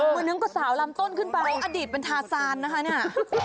วันนั้นก็สาวลำต้นขึ้นไปอดีตเป็นทาซานนะคะเนี่ย